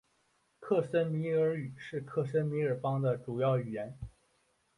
克什米尔语是克什米尔邦的主要语言。